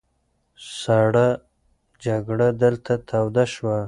سړه جګړه دلته توده شوه.